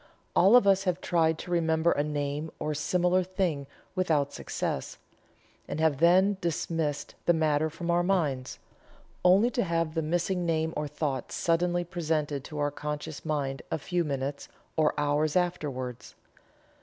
All of us have tried to remember a name or similar thing without success, and have then dismissed the matter from our minds, only to have the missing name or thought suddenly presented to our conscious mind a few minutes, or hours, afterwards.